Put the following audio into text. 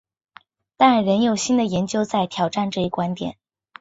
但仍有新的研究在挑战这一观点。